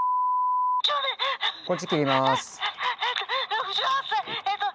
こっち切ります。